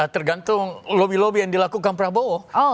tergantung lobby lobby yang dilakukan prabowo